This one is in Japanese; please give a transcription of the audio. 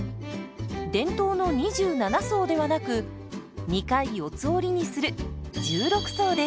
伝統の２７層ではなく２回四つ折りにする１６層です。